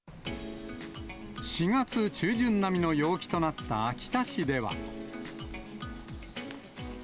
４月中旬並みの陽気となった秋田市では。